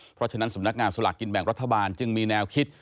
เพราะฉะนั้นสำนักงานสลากกินแบ่งรัฐบาลจึงมีแนวคิด